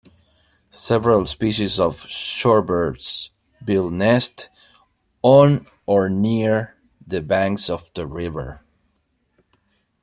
Several species of shorebirds build nest on or near the banks of the river.